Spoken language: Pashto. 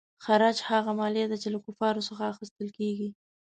خراج هغه مالیه ده چې له کفارو څخه اخیستل کیږي.